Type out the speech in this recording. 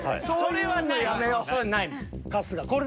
それはない話や。